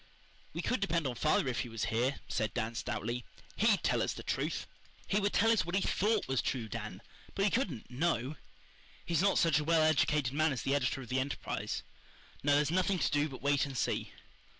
"We could depend on father if he was here," said Dan stoutly. "HE'D tell us the truth." "He would tell us what he THOUGHT was true, Dan, but he couldn't KNOW. He's not such a well educated man as the editor of the Enterprise. No, there's nothing to do but wait and see."